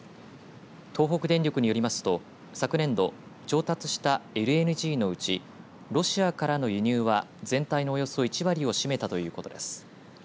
東北電力によりますと昨年度調達したＬＮＧのうちロシアからの輸入は全体のおよそ１割を占めたということです。